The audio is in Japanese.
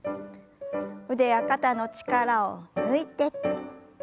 腕や肩の力を抜いて。